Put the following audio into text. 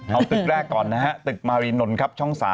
เอาตึกแรกก่อนนะฮะตึกมารีนนท์ครับช่อง๓